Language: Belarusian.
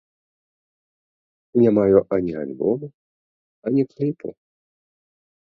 Не маю ані альбому, ані кліпу.